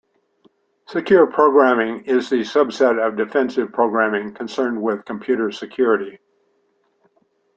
Secure programming is the subset of defensive programming concerned with computer security.